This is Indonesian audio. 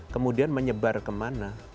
kemudian menyebar ke mana